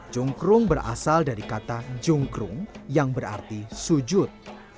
cungkrung berasal dari kata cungkrung yang berarti sujud